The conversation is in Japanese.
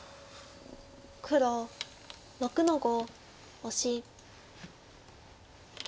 黒６の五オシ。